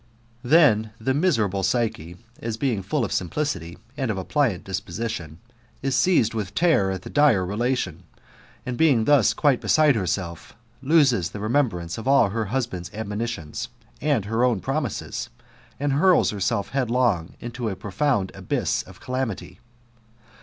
Then the miserable Psyche, as being full of simplicity, and of a pliant disposition, is seized with terror at the dire relation, and being thus quite beside herself, loses the remembrance of all her husband's admonitions and her own promises, and hurls herself headlong into the profound abyss of calamity.